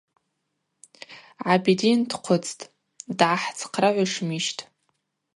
Гӏабидин дхъвыцтӏ: Дгӏахӏцхърагӏушмищтӏ?